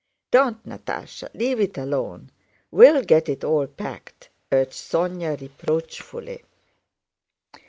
"Don't, Natásha! Leave it alone! We'll get it all packed," urged Sónya reproachfully.